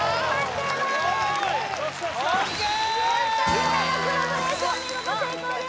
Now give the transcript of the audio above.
夢のコラボレーションお見事成功です